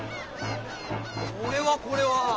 これはこれは。